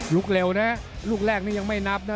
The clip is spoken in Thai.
เร็วนะลูกแรกนี่ยังไม่นับนะ